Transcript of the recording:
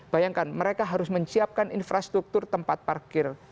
bayangkan mereka harus menyiapkan infrastruktur tempat parkir